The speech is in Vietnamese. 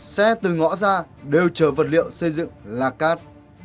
xe từ ngõ ra đều chở vật liệu xây dựng lạc cát